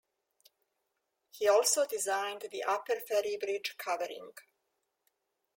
He also designed the Upper Ferry Bridge covering.